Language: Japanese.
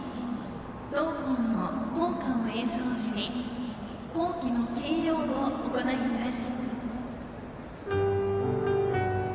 同校の校歌を演奏して校旗の掲揚を行います。